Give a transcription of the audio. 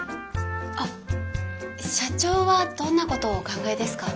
あっ社長はどんなことをお考えですか？